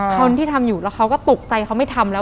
คนที่ทำอยู่แล้วเขาก็ตกใจเขาไม่ทำแล้ว